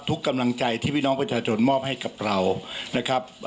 กำลังใจที่พี่น้องประชาชนมอบให้กับเรานะครับ